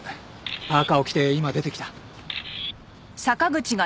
パーカを着て今出てきた。